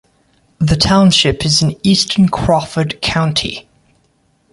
The township is in eastern Crawford County.